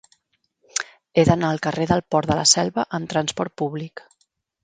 He d'anar al carrer del Port de la Selva amb trasport públic.